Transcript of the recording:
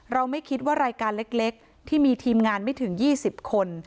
ไม่คิดว่ารายการเล็กที่มีทีมงานไม่ถึง๒๐คน